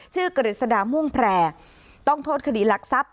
ชื่อกฤษฎามุ่งแพรต้องโทษคดีหลักทรัพย์